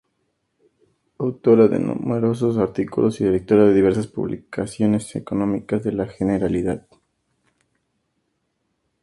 Autora de numerosos artículos y directora de diversas publicaciones económicas de la Generalidad.